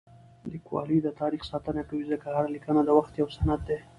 لیکوالی د تاریخ ساتنه کوي ځکه هره لیکنه د وخت یو سند دی.